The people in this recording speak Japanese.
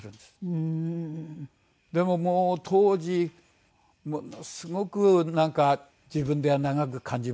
でももう当時ものすごくなんか自分では長く感じましたね。